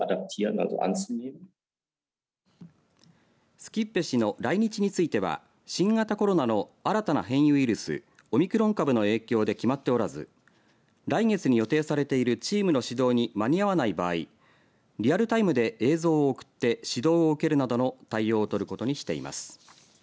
スキッベ氏の来日については新型コロナの新たな変異ウイルスオミクロン株の影響で決まっておらず来月に予定されているチームの指導に間に合わない場合リアルタイムで映像を送って指導を受けるなどの対応を取ることにしています。